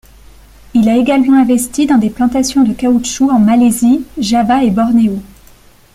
Il a également investi dans des plantations de caoutchouc en Malaisie, Java et Bornéo.